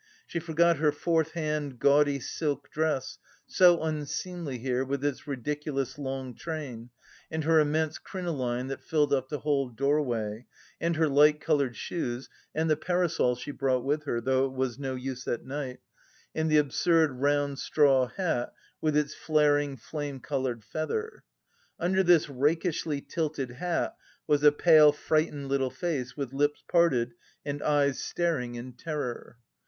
She forgot her fourth hand, gaudy silk dress, so unseemly here with its ridiculous long train, and her immense crinoline that filled up the whole doorway, and her light coloured shoes, and the parasol she brought with her, though it was no use at night, and the absurd round straw hat with its flaring flame coloured feather. Under this rakishly tilted hat was a pale, frightened little face with lips parted and eyes staring in terror.